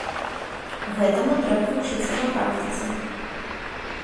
Гэтаму трэба вучыцца на практыцы.